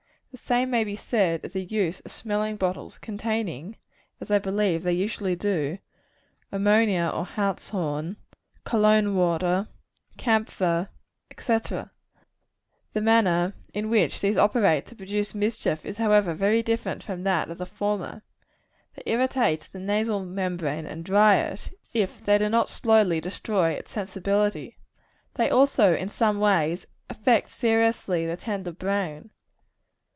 The same may be said of the use of smelling bottles containing, as I believe they usually do, ammonia or hartshorn, cologne water, camphor, &c. The manner in which these operate to produce mischief, is, however, very different from that of the former. They irritate the nasal membrane, and dry it, if they do not slowly destroy its sensibility. They also, in some way, affect seriously the tender brain.